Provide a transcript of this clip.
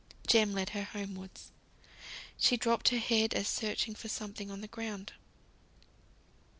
Jem led her homewards. She dropped her head as searching for something on the ground.